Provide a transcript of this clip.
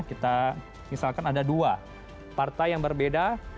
kita misalkan ada dua partai yang berbeda